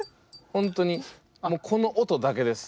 本当にこの音だけです。